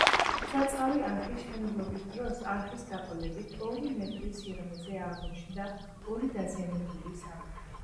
სარწყავი არხის მშენებლობის დროს, არხის გაყოლებით ორი მეტრის სიღრმეზე აღმოჩნდა ორი დაზიანებული სამარხი.